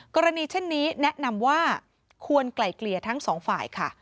กรณีเช่นนี้แนะนำว่าควรไกลเกลี่ยทั้งสองฝ่ายค่ะ